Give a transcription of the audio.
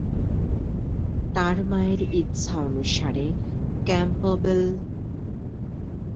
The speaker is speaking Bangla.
তার মায়ের ইচ্ছানুসারে ক্যাম্পবেল কখনো তার পিতার সাথে সাক্ষাৎ করেননি।